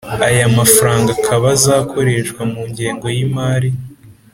Aya mafaranga akaba azakoreshwa mu ngengo y imari